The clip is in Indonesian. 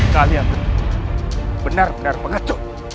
kalian benar benar pengecut